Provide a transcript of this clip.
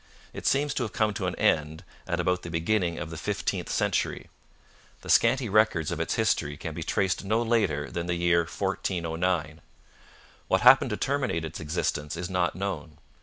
It seems to have come to an end at about the beginning of the fifteenth century. The scanty records of its history can be traced no later than the year 1409. What happened to terminate its existence is not known.